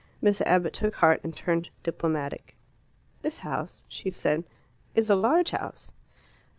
Miss Abbott took heart and turned diplomatic. "This house," she said, "is a large house."